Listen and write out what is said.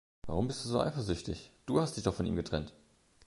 Warum bist du so eifersüchtig? Du hast dich doch von ihm getrennt!